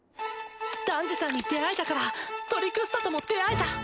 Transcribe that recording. ダンジさんに出会えたからトリクスタとも出会えた。